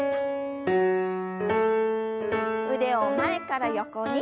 腕を前から横に。